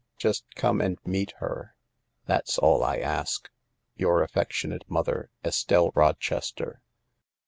Just come and meet her. That's all I ask. "Your affectionate mother, " Estelle Rochester."